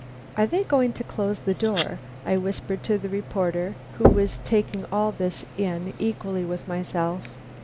"Are they going to close the door?" I whispered to the reporter, who was taking this all in equally with myself.